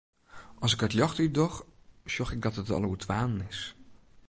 At ik it ljocht útdoch, sjoch ik dat it al oer twaen is.